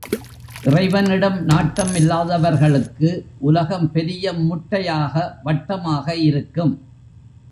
இறைவனிடம் நாட்டம் இல்லாதவர்களுக்கு உலகம் பெரிய முட்டையாக வட்டமாக இருக்கும்.